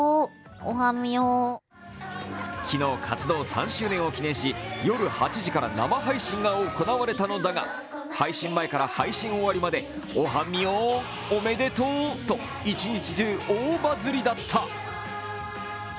昨日、活動３周年を記念し、夜８時から生配信が行われたのだが、配信前から配信終わりまで、おはみぉーん、おめでとうと一日中大バズりだった。